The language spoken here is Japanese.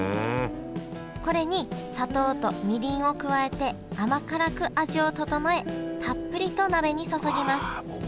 これに砂糖とみりんを加えて甘辛く味を調えたっぷりと鍋に注ぎますもう和の味だね。